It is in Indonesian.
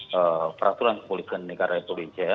peraturan kepolisian negara sudc ya